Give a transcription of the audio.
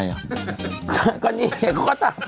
มีสารตั้งต้นเนี่ยคือยาเคเนี่ยใช่ไหมคะ